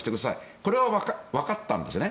これはわかったんですよね。